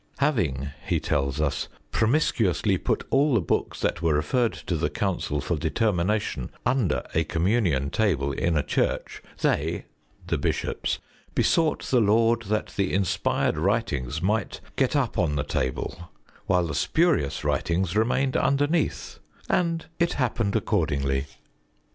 Having, he tells us, "promiscuously put all the books that were referred to the Council for determination under a Communion table in a church, they (the bishops) besought the Lord that the inspired writings might get up on the table, while the spurious writings remained underneath, and it happened accordingly".